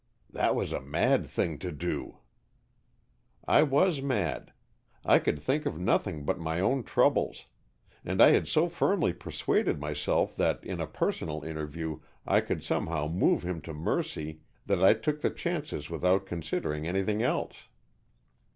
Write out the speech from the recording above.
"That was a mad thing to do." "I was mad. I could think of nothing but my own troubles. And I had so firmly persuaded myself that in a personal interview I could somehow move him to mercy that I took the chances without considering anything else."